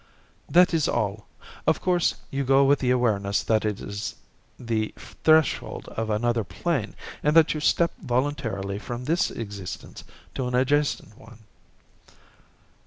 "That is all. Of course, you go with the awareness that it is the threshold of another plane and that you step voluntarily from this existence to an adjacent one."